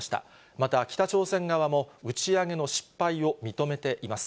また、北朝鮮側も打ち上げの失敗を認めています。